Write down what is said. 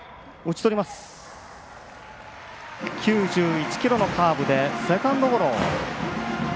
９１キロのカーブでセカンドゴロ。